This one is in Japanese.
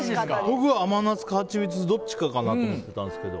僕は甘夏か、はちみつのどっちかかなと思ってたんですけど。